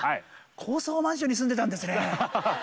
高層マンションに住んでたんですね。